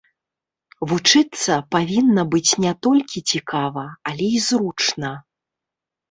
Вучыцца павінна быць не толькі цікава, але і зручна.